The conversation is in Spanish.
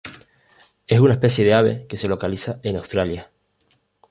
Es una especie de ave que se localiza en Australia.